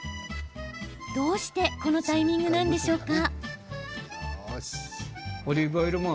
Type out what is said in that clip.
どうしてこのタイミングなんでしょうか。